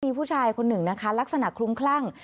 มีผู้ชายคนหนึ่งนะคะลักษณะคลุ้มคลั่ง